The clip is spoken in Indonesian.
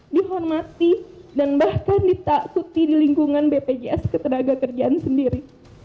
dihormati dan bahkan ditakuti di lingkungan bpjs ketenaga kerjaan sendiri